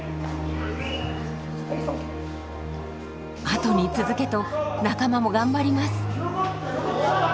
後に続けと仲間も頑張ります。